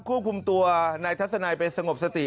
คู่คุมตัวนายทัศนายเป็นสงบสติ